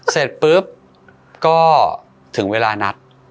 เสร็จปุ๊บก็ถึงเวลานัด